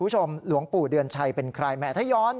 หลวงปู่เดือนชัยเป็นใครแหมถ้าย้อน